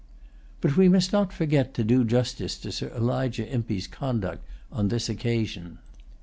[Pg 193] But we must not forget to do justice to Sir Elijah Impey's conduct on this occasion.